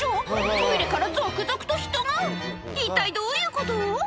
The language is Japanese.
⁉トイレから続々と人が一体どういうこと？